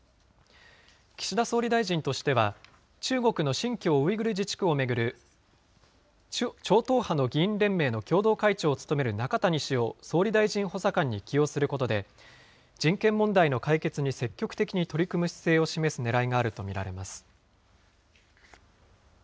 岸田総理大臣としては、中国の新疆ウイグル自治区を巡る超党派の議員連盟の共同会長を務める中谷氏を総理大臣補佐官に起用することで、人権問題の解決に積極的に取り組む姿勢を示すねらいがあると見られます。